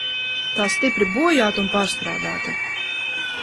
Tā stipri bojāta un pārstrādāta.